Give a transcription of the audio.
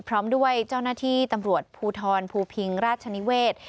พร้อมด้วยเจ้าหน้าที่ตำรวจภูทรภูพิงราชนิเวศ